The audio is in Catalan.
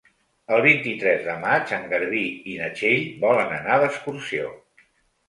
El vint-i-tres de maig en Garbí i na Txell volen anar d'excursió.